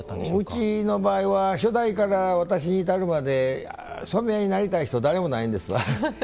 うちの場合は初代から私に至るまで染屋になりたい人は誰もいないんですわ。